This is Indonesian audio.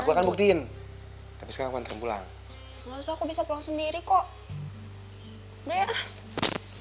aku akan buktiin tapi sekarang aku mau pulang nggak usah aku bisa pulang sendiri kok